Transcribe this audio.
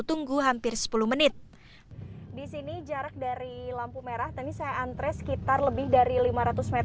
tunggu hampir sepuluh menit disini jarak dari lampu merah tadi saya antre sekitar lebih dari lima ratus m